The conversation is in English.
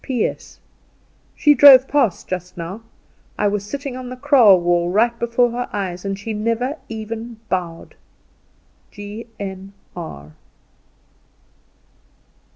"P.S. She drove past just now; I was sitting on the kraal wall right before her eyes, and she never even bowed. G.N.R."